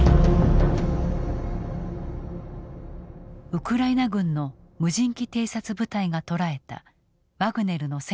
ウクライナ軍の無人機偵察部隊が捉えたワグネルの戦闘員の姿。